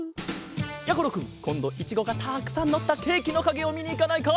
やころくんこんどいちごがたくさんのったケーキのかげをみにいかないか？